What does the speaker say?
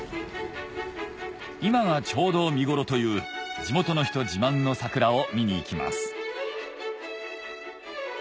今がちょうど見頃という地元の人自慢の桜を見に行きます